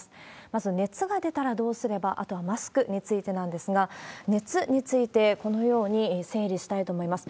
まず熱が出たらどうすれば、あとはマスクについてなんですが、熱について、このように整理したいと思います。